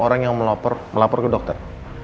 orang yang melapor melapor ke dokter